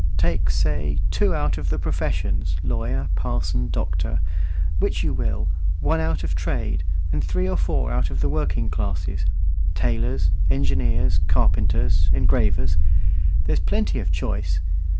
Take, say, two out of the professions, lawyer, parson, doctor which you will; one out of trade; and three or four out of the working classes tailors, engineers, carpenters, engravers. There's plenty of choice.